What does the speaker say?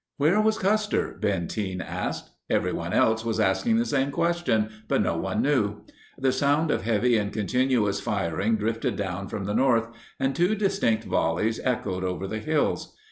Where was Custer, Benteen asked. Everyone else was asking the same question, but no one knew. The sound of heavy and continuous firing drifted down from the north, and two distinct volleys echoed over the hills.